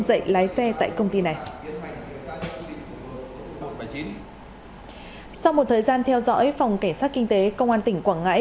dạy lái xe tại công ty này sau một thời gian theo dõi phòng cảnh sát kinh tế công an tỉnh quảng ngãi